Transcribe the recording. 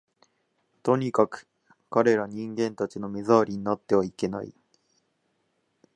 とにかく、彼等人間たちの目障りになってはいけない